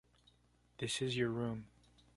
This is your room.